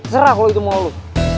serah kalo itu mau lo